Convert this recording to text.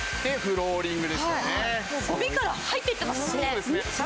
ゴミから入っていってますね。